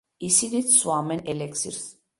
ისინიც სვამენ ელექსირს.